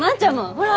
ほら！